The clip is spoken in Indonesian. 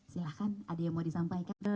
silahkan ada yang mau disampaikan dong